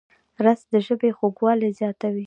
رس د ژبې خوږوالی زیاتوي